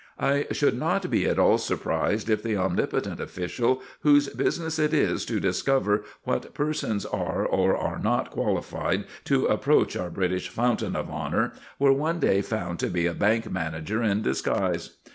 I should not be at all surprised if the omnipotent official whose business it is to discover what persons are or are not qualified to approach our British fountain of honour were one day found to be a bank manager in disguise.